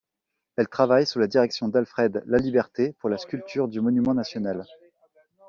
Elle travaille sous la direction d'Alfred Laliberté pour la sculpture du Monument-National.